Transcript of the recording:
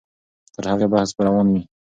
تر هغې بحث به روان وي.